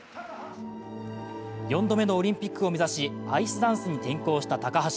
４度目のオリンピックを目指しアイスダンスに転向した高橋。